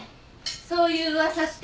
そういう噂して。